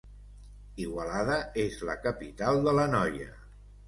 Igualada és la capital de l'Anoia.